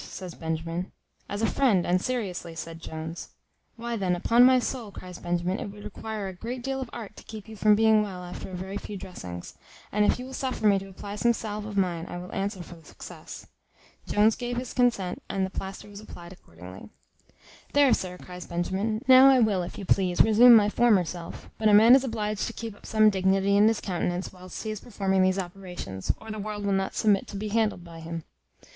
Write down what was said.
said Benjamin. "As a friend, and seriously," said Jones. "Why then, upon my soul," cries Benjamin, "it would require a great deal of art to keep you from being well after a very few dressings; and if you will suffer me to apply some salve of mine, I will answer for the success." Jones gave his consent, and the plaister was applied accordingly. "There, sir," cries Benjamin: "now I will, if you please, resume my former self; but a man is obliged to keep up some dignity in his countenance whilst he is performing these operations, or the world will not submit to be handled by him.